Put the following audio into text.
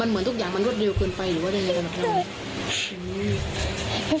มันเหมือนทุกอย่างมันรวดเร็วเล็กขึ้นไปหรือแบบนี้สำหรับเรา